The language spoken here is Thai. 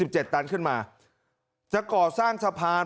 จะเกาะสร้างสะพานน์